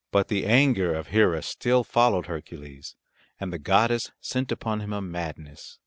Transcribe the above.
But the anger of Hera still followed Hercules, and the goddess sent upon him a madness.